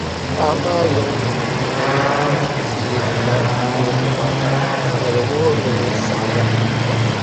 Paɣ’ maa yiŋnim’ mi deerila puhigu maa ka di wuhi ni bɛ saɣiya.